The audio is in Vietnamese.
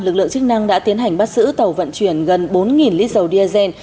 lực lượng chức năng đã tiến hành bắt sử tàu vận chuyển gần bốn lít dầu diazen